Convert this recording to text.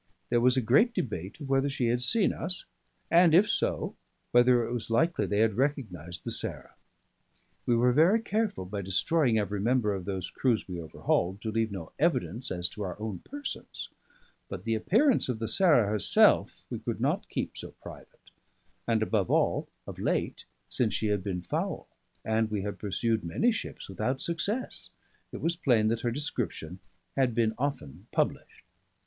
There was a great debate of whether she had seen us, and if so whether it was likely they had recognised the Sarah. We were very careful, by destroying every member of those crews we overhauled, to leave no evidence as to our own persons; but the appearance of the Sarah herself we could not keep so private; and above all of late, since she had been foul, and we had pursued many ships without success, it was plain that her description had been often published.